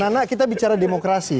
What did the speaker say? nah kita bicara demokrasi